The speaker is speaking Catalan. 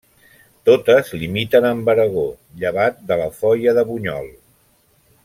Totes limiten amb Aragó, llevat de la Foia de Bunyol.